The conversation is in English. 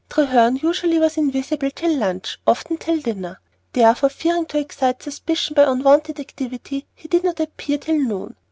Treherne usually was invisible till lunch, often till dinner; therefore, fearing to excite suspicion by unwonted activity, he did not appear till noon.